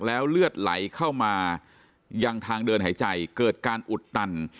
แล้วเลือดไหลเข้ามายังทางเดินหายใจเกิดการอุดตัน